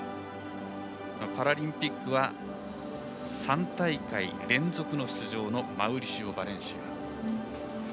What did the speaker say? パラリンピックは３大会連続で出場のマウリシオ・バレンシア。